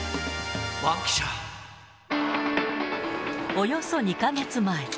およそ２か月前。